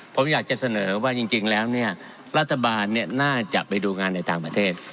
ผมอยากจะเสนอว่าจริงแล้วเนี่ยรัฐบาลน่าจะไปดูงานในต่างประเทศ